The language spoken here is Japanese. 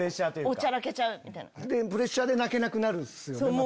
プレッシャーで泣けなくなるんすよね。